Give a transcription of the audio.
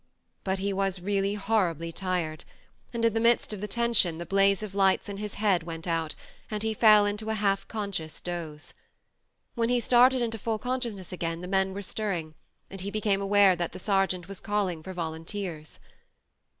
... But he was really horribly tired, and THE MARNE 127 in the midst of the tension the blaze of lights in his head went out, and he fell into a half conscious doze. When he started into full consciousness again the men were stirring, and he became aware that the sergeant was calling for volunteers.